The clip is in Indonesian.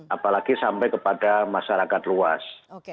apalagi sampai kepada masyarakat luas